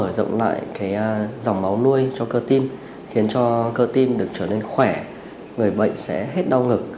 nó sẽ hợp dụng lại cái dòng máu nuôi cho cơ tim khiến cho cơ tim được trở nên khỏe người bệnh sẽ hết đau ngực